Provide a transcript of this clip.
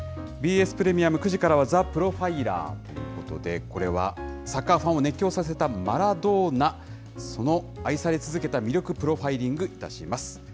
ＢＳプレミアム、９時からはザ・プロファイラーということで、これは、サッカーファンを熱狂させたマラドーナ、その愛され続けた魅力、プロファイリングいたします。